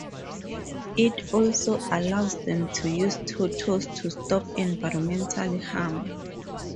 It also allows them to use tortes to stop environmental harm.